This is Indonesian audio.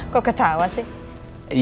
kok ketawa sih